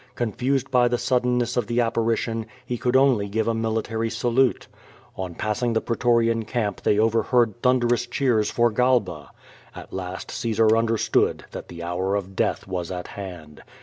Confused by the suddenness of the apparition, he could only give a military salute. On passing the pretorian camp they overheard thun* 514 Q^^ VADT8. clerous cheers for Galba. At last Caesar understood that the hour of death was at hand.